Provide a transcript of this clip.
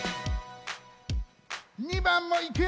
２ばんもいくよ！